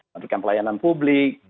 memberikan pelayanan publik